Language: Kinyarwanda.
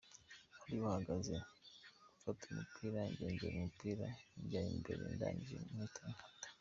bari bahagaze, mfata umupira ngenzura umupira njya imbere ndangije mpita nkata